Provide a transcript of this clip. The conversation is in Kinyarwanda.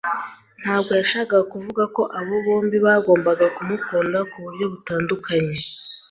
ntabwo yashakaga kuvuga ko abo bombi bagombaga kumukunda ku buryo butandukanye